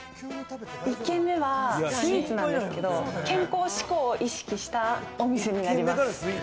１軒目はスイーツなんですけど、健康志向を意識したお店になります。